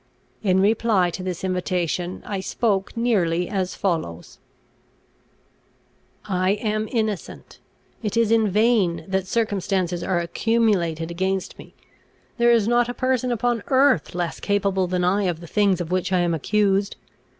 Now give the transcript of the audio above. In reply to this invitation, I spoke nearly as follows: "I am innocent. It is in vain that circumstances are accumulated against me; there is not a person upon earth less capable than I of the things of which I am accused.